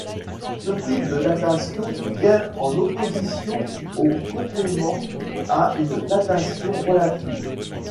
Ce type de datation vient en opposition ou complément à une datation relative.